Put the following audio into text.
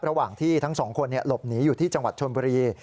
ระหว่างที่ทั้งสองคนหลบหนีอยู่ที่จังหวัดชนบุรี